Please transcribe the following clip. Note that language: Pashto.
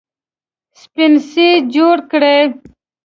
سپڼسي جوړ کړي